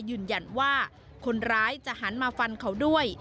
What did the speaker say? ยืนยันว่าคนร้ายจะหันมาฟันเขาด้วย